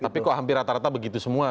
tapi kok hampir rata rata begitu semua